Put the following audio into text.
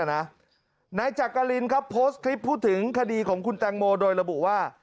นายจักรินครับโพสต์คลิปพูดถึงคดีของคุณแตงโมโดยระบุว่า